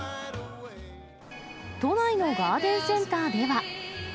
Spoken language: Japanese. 都内のガーデンセンターでは。